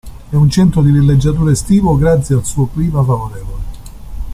È un centro di villeggiatura estivo grazie al suo clima favorevole.